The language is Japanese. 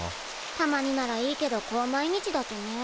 たまにならいいけどこう毎日だとね。